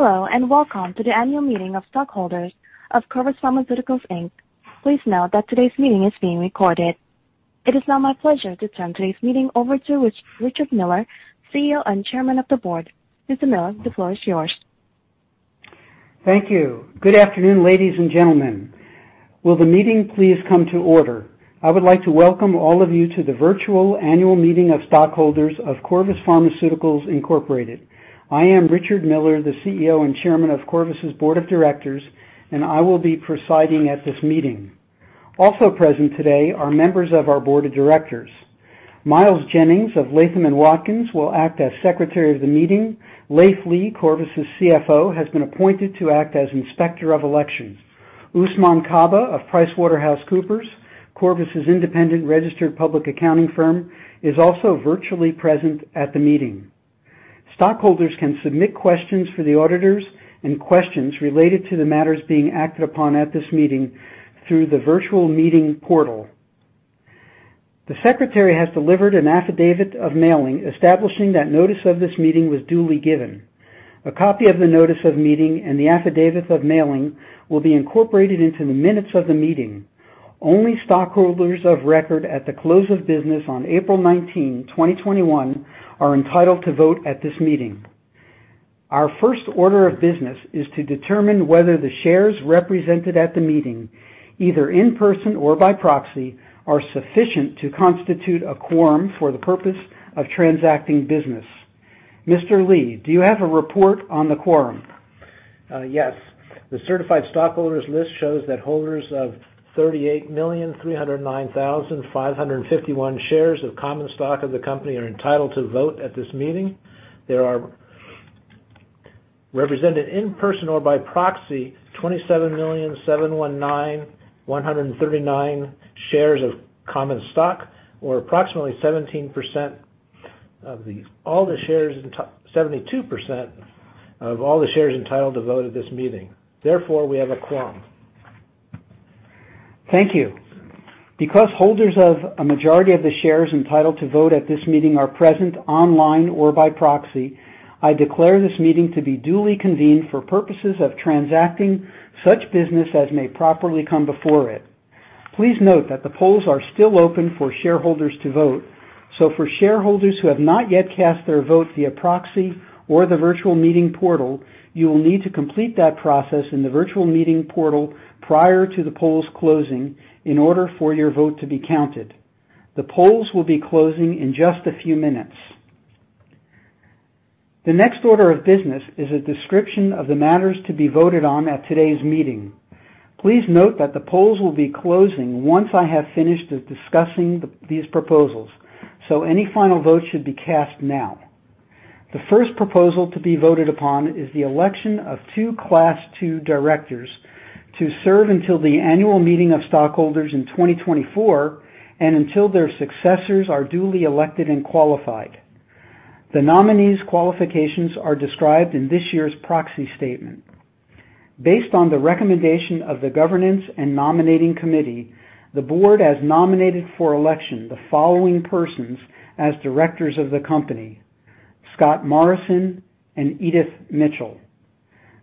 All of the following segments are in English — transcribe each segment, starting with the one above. Hello, welcome to the annual meeting of stockholders of Corvus Pharmaceuticals Inc. Please note that today's meeting is being recorded. It is now my pleasure to turn today's meeting over to Richard Miller, CEO and Chairman of the Board. Mr. Miller, the floor is yours. Thank you. Good afternoon, ladies and gentlemen. Will the meeting please come to order? I would like to welcome all of you to the virtual annual meeting of stockholders of Corvus Pharmaceuticals Incorporated. I am Richard Miller, the CEO and Chairman of Corvus's board of directors, and I will be presiding at this meeting. Also present today are members of our board of directors. Miles Jennings of Latham & Watkins will act as secretary of the meeting. Leiv Lea, Corvus's CFO, has been appointed to act as inspector of elections. Ousmane Kaba of PricewaterhouseCoopers, Corvus's independent registered public accounting firm, is also virtually present at the meeting. Stockholders can submit questions for the auditors and questions related to the matters being acted upon at this meeting through the virtual meeting portal. The secretary has delivered an affidavit of mailing establishing that notice of this meeting was duly given. A copy of the notice of meeting and the affidavit of mailing will be incorporated into the minutes of the meeting. Only stockholders of record at the close of business on April 19, 2021, are entitled to vote at this meeting. Our first order of business is to determine whether the shares represented at the meeting, either in person or by proxy, are sufficient to constitute a quorum for the purpose of transacting business. Mr. Lea, do you have a report on the quorum? Yes. The certified stockholders list shows that holders of 38,309,551 shares of common stock of the company are entitled to vote at this meeting. There are represented in person or by proxy, 27,719,139 shares of common stock, or approximately 72% of all the shares entitled to vote at this meeting. Therefore, we have a quorum. Thank you. Because holders of a majority of the shares entitled to vote at this meeting are present online or by proxy, I declare this meeting to be duly convened for purposes of transacting such business as may properly come before it. Please note that the polls are still open for shareholders to vote, so for shareholders who have not yet cast their vote via proxy or the virtual meeting portal, you will need to complete that process in the virtual meeting portal prior to the polls closing in order for your vote to be counted. The polls will be closing in just a few minutes. The next order of business is a description of the matters to be voted on at today's meeting. Please note that the polls will be closing once I have finished discussing these proposals, so any final votes should be cast now. The first proposal to be voted upon is the election of two Class II directors to serve until the annual meeting of stockholders in 2024 and until their successors are duly elected and qualified. The nominees' qualifications are described in this year's proxy statement. Based on the recommendation of the Governance and Nominating Committee, the board has nominated for election the following persons as directors of the company, Scott Morrison and Edith Mitchell.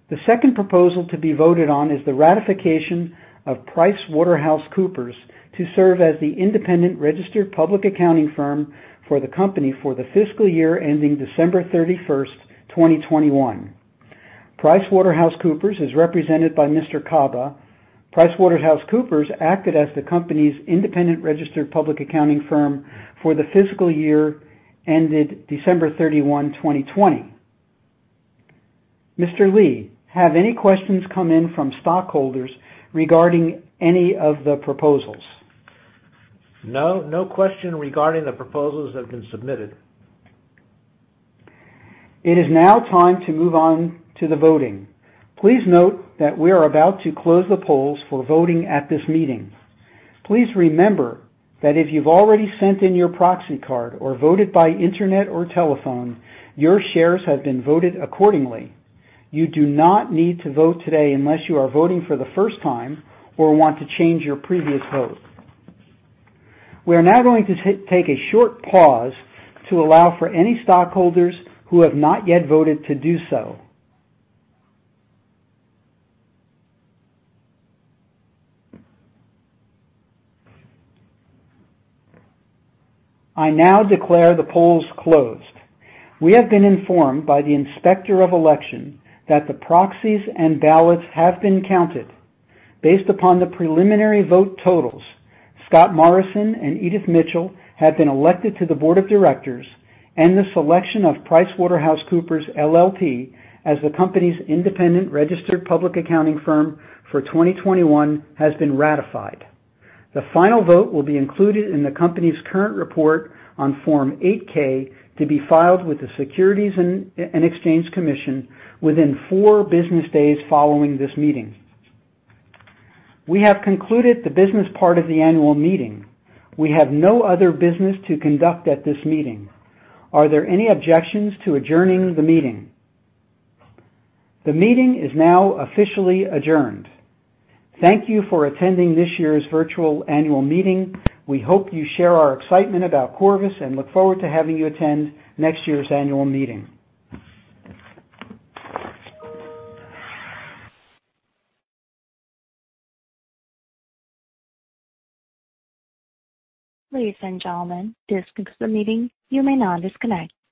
The second proposal to be voted on is the ratification of PricewaterhouseCoopers to serve as the independent registered public accounting firm for the company for the fiscal year ending December 31st, 2021. PricewaterhouseCoopers is represented by Mr. Kaba. PricewaterhouseCoopers acted as the company's independent registered public accounting firm for the fiscal year ended December 31, 2020. Mr. Lea, have any questions come in from stockholders regarding any of the proposals? No. No questions regarding the proposals have been submitted. It is now time to move on to the voting. Please note that we are about to close the polls for voting at this meeting. Please remember that if you've already sent in your proxy card or voted by internet or telephone, your shares have been voted accordingly. You do not need to vote today unless you are voting for the first time or want to change your previous vote. We are now going to take a short pause to allow for any stockholders who have not yet voted to do so. I now declare the polls closed. We have been informed by the Inspector of Election that the proxies and ballots have been counted. Based upon the preliminary vote totals, Scott Morrison and Edith Mitchell have been elected to the board of directors, and the selection of PricewaterhouseCoopers LLP as the company's independent registered public accounting firm for 2021 has been ratified. The final vote will be included in the company's current report on Form 8-K to be filed with the Securities and Exchange Commission within four business days following this meeting. We have concluded the business part of the annual meeting. We have no other business to conduct at this meeting. Are there any objections to adjourning the meeting? The meeting is now officially adjourned. Thank you for attending this year's virtual annual meeting. We hope you share our excitement about Corvus and look forward to having you attend next year's annual meeting. Ladies and gentlemen, this concludes the meeting. You may now disconnect.